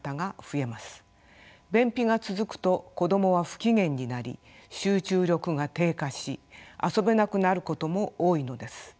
便秘が続くと子どもは不機嫌になり集中力が低下し遊べなくなることも多いのです。